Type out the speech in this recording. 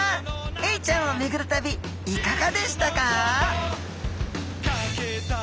エイちゃんをめぐる旅いかがでしたか？